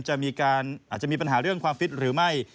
อาจจะมีปัญหาเรื่องความฟิตหรือไม่